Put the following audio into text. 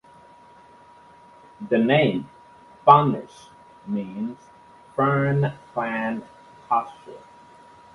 The name Farndish means fern-clad pasture.